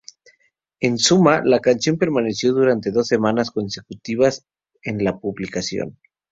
En suma, la canción permaneció durante dos semanas consecutivas en la publicación.